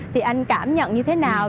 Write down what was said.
thì anh cảm nhận như thế nào